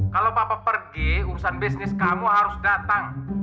kalau papa pergi urusan bisnis kamu harus datang